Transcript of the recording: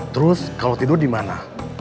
terus kalau tidur dimana